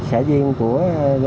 sẽ duyên của